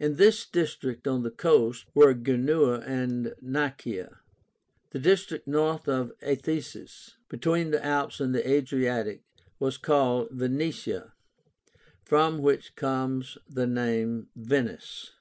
In this district on the coast were Genua and Nicaea. The district north of the Athesis, between the Alps and the Adriatic, was called VENETIA, from which comes the name Venice.